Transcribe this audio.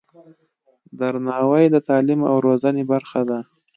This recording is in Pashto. درناوی د تعلیم او روزنې برخه ده.